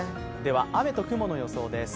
雨と雲の予想です。